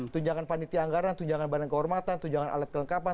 tujuan panitia anggaran tujuan badan kehormatan tujuan alat kelengkapan tujuan kompetensi